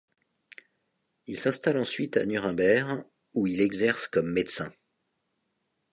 Il s'installe ensuite à Nuremberg où il exerce comme médecin.